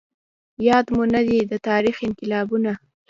ياد مو نه دي د تاريخ انقلابونه